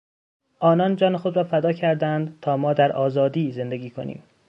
آنان جان خود را فدا کردند تا ما در آزادی زندگی کنیم.